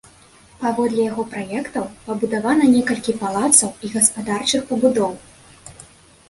Паводле яго праектаў пабудавана некалькі палацаў і гаспадарчых пабудоў.